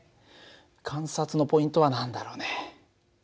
観察のポイントは何だろうね？